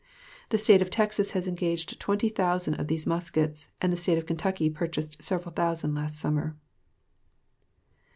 The State of Texas has engaged twenty thousand (20,000) of these muskets, and the State of Kentucky purchased several thousand last summer.